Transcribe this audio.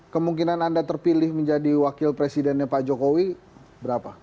kemungkinan anda terpilih menjadi wakil presidennya pak jokowi berapa